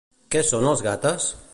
Què són els Gathas?